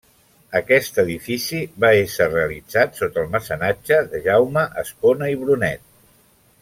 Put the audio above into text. Aquest edifici va ésser realitzat sota el mecenatge de Jaume Espona i Brunet.